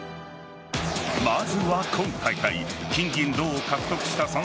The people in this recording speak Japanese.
まずは今大会金、銀、銅を獲得した